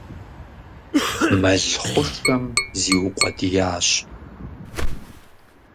Мэл хъушэм зиукъуэдиящ.